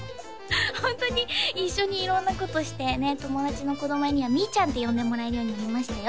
ホントに一緒に色んなことしてね友達の子供にはみーちゃんって呼んでもらえるようになりましたよ